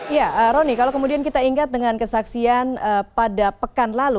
ya roni kalau kemudian kita ingat dengan kesaksian pada pekan lalu